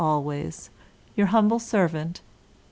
Sir, your humble servant.